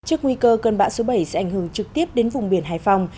trước nguy cơ cơn bão số bảy sẽ ảnh hưởng trực tiếp đến vùng biển hải phòng